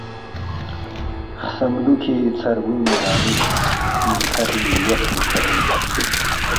خسم لوکھی ژھربوئینگنو دانشؔ سنینگ تھدی یسپی کھبونگ